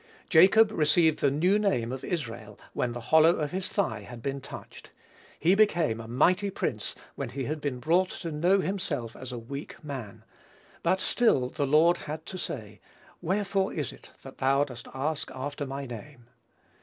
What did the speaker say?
Jacob received the new name of Israel when the hollow of his thigh had been touched. He became a mighty prince when he had been brought to know himself as a weak man; but still the Lord had to say, "Wherefore is it that thou dost ask after my name?"